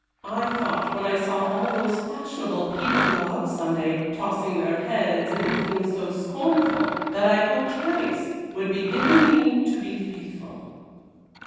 I thought, when I saw all those fashionable people go out Sunday, tossing their heads and looking so scornful, that I hoped grace would be given me to be faithful.